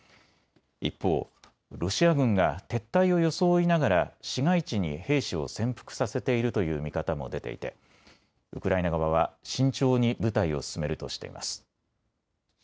一方、ロシア軍が撤退を装いながら市街地に兵士を潜伏させているという見方も出ていてウクライナ側は慎重に部隊を進めるとしています。